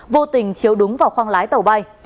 vô tình chiếu đúng vào khoang lái tàu bay